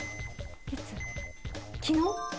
いつ昨日。